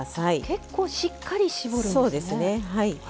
結構しっかり絞るんですね。